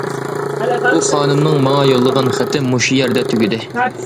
بۇ خانىمنىڭ ماڭا يوللىغان خېتى مۇشۇ يەردە تۈگىدى.